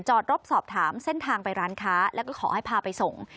รบสอบถามเส้นทางไปร้านค้าแล้วก็ขอให้พาไปส่ง